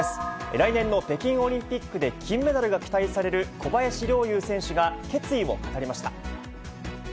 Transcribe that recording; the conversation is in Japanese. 来年の北京オリンピックで金メダルが期待される小林陵侑選手が決意を語りました。